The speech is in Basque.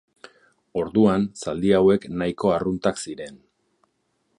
Orduan zaldi hauek nahiko arruntak ziren.